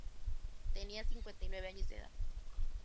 Tenía cincuenta y nueve años de edad.